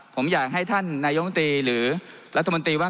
ผมอยากให้ท่านนายมนตรีหรือรัฐมนตรีว่า